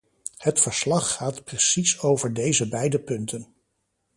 Het verslag gaat precies over deze beide punten.